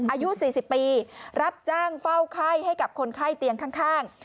อายุ๔๐ปีรับจ้างเฝ้าไข้ให้กับคนไข้เตียงข้าง